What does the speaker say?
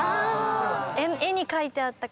絵に描いてあったから。